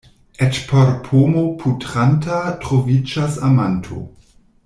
Eĉ por pomo putranta troviĝas amanto.